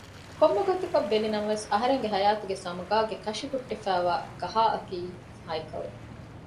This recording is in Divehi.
ކޮންމެ ގޮތަކަށް ބެލިނަމަވެސް އަހަރެންގެ ހަޔާތުގެ ސަމުގާގެ ކަށި ހުއްޓިފައިވާ ގަހާއަކީ ހައިކަލު